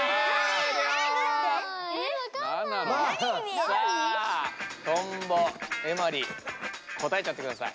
さあトンボエマリ答えちゃってください。